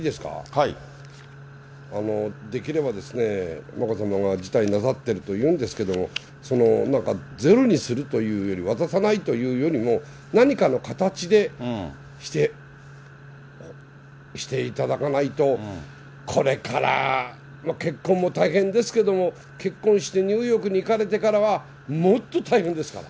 できれば、眞子さまが辞退なさってるというんですけども、なんかゼロにするというよりも、渡さないというよりも、何かの形でしていただかないと、これから、結婚も大変ですけれども、結婚してニューヨークに行かれてからは、もっと大変ですから。